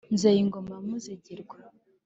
nzeyingoma ya muzigirwa